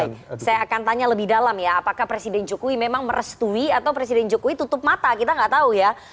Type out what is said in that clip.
oke saya akan tanya lebih dalam ya apakah presiden jokowi memang merestui atau presiden jokowi tutup mata kita nggak tahu ya